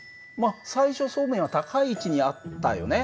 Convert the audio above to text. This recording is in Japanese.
最初そうめんは高い位置にあったよね。